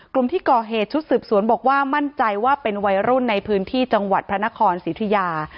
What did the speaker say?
กลุ่มที่ก่อเหตุชุดสืบสวนบอกว่ามั่นใจว่าเป็นวัยรุ่นในพื้นที่จังหวัดพระนครสิทธิยา